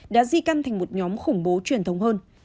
đã di căn thành một nhóm khủng bố truyền thống hơn